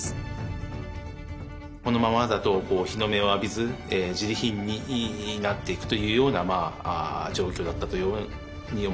このままだと日の目を浴びずじり貧になっていくというような状況だったというように思います。